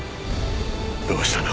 どうしたの？